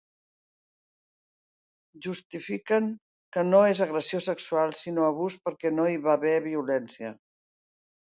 Justifiquen que no és agressió sexual, sinó abús, perquè no hi va haver violència.